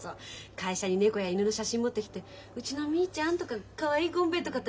会社に猫や犬の写真持ってきてうちのミーちゃんとかかわいいゴンベエとかってね。